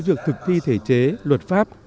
việc thực thi thể chế luật pháp